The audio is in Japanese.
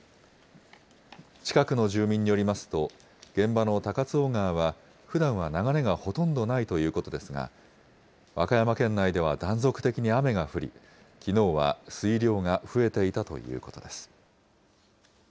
近くの住民によりますと、現場の高津尾川はふだんは流れがほとんどないということですが、和歌山県内では断続的に雨が降り、きのうは水量が増えていたということです。